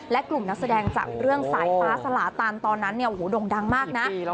และกลุ่มนักแสดงจากเรื่องสายฟ้าสลาตันตอนนั้นเนี่ยโอ้โหด่งดังมากนะ